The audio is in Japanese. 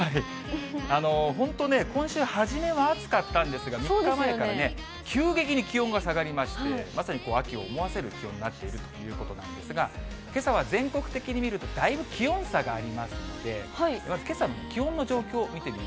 本当、今週初めは暑かったんですが、３日前から急激に気温が下がりまして、まさに秋を思わせる気温になっているということなんですが、けさは全国的に見るとだいぶ気温差がありますので、まずけさの気あら。